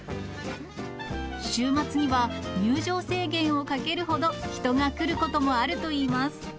週末には入場制限をかけるほど、人が来ることもあるといいます。